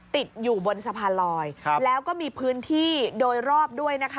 ติดอยู่บนสะพานลอยแล้วก็มีพื้นที่โดยรอบด้วยนะคะ